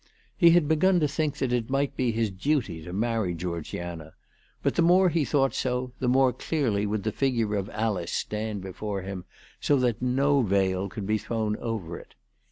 He had begun to think that it might be his duty to marry Georgiana ; but the more he thought so the more clearly would the figure of Alice stand before him, so that no veil could be thrown over it.